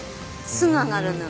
すぐ揚がるので。